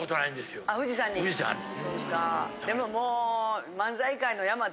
でももう。